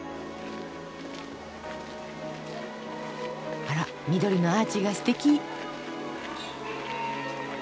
あら緑のアーチがすてき！